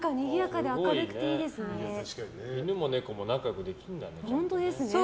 犬も猫も仲良くできるんだね。